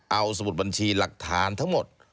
เอาสมุดบัญชีหลักฐานทั้งหมด